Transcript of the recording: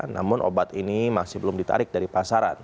namun obat ini masih belum ditarik dari pasaran